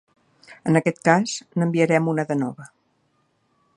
En aquest cas, n'enviarem una de nova.